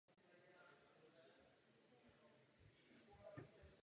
Nominaci získal Al Gore.